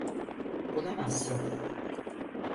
Bulamazsın.